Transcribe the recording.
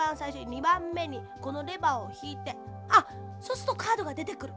２ばんめにこのレバーをひいてあっそうするとカードがでてくる。